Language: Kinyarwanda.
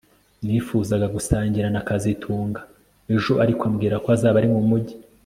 Nifuzaga gusangira na kazitunga ejo ariko ambwira ko azaba ari mu mujyi